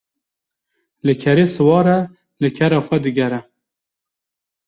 Li kerê siwar e li kera xwe digere